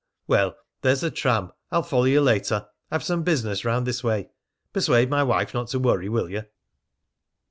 "Well, there's the tram. I'll follow you later. I've some business round this way. Persuade my wife not to worry, will you?"